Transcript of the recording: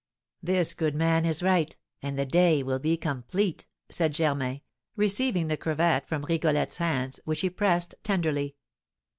"This good man is right, and the day will be complete," said Germain, receiving the cravat from Rigolette's hands, which he pressed tenderly.